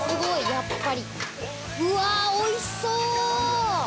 やっぱり、おいしそう！